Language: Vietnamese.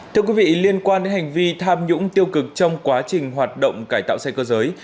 thưa quý vị liên quan đến hành vi tham nhũng tiêu cực trong quá trình hoạt động cải tạo xe cơ giới